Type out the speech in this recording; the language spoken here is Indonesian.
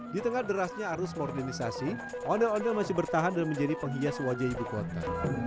di tengah derasnya arus modernisasi ondel ondel masih bertahan dan menjadi penghias wajah ibu kota